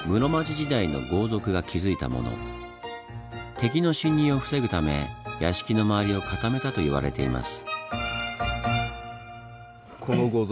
敵の侵入を防ぐため屋敷の周りを固めたと言われています。